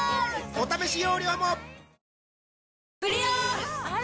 お試し容量もあら！